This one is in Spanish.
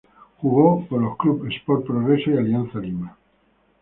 Jugó por los clubes Sport Progreso y Alianza Lima.